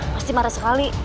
pasti marah sekali